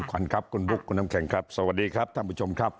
ขวัญครับคุณบุ๊คคุณน้ำแข็งครับสวัสดีครับท่านผู้ชมครับ